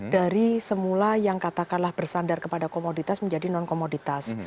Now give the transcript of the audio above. dari semula yang katakanlah bersandar kepada komoditas menjadi non komoditas